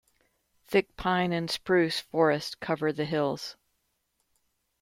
Thick pine and spruce forests cover the hills.